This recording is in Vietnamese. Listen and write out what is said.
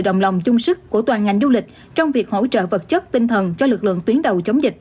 đồng lòng chung sức của toàn ngành du lịch trong việc hỗ trợ vật chất tinh thần cho lực lượng tuyến đầu chống dịch